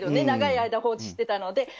長い間、放置してたので。